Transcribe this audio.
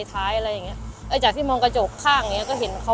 สวัสดีครับที่ได้รับความรักของคุณ